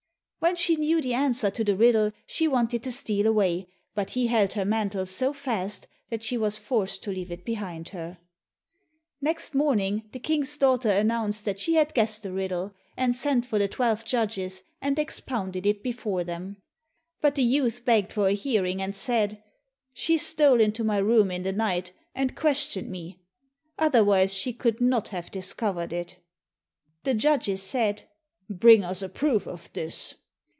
When she knew the answer to the riddle she wanted to steal away, but he held her mantle so fast that she was forced to leave it behind her. Next morning, the King's daughter announced that she had guessed the riddle, and sent for the twelve judges and expounded it before them. But the youth begged for a hearing, and said, "She stole into my room in the night and questioned me, otherwise she could not have discovered it." The judges said, "Bring us a proof of this."